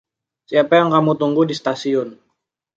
Siapa yang kamu tunggu di stasiun?